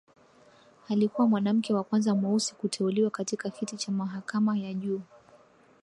Alikuwa mwanamke wa kwanza mweusi kuteuliwa katika kiti cha mahakama ya juu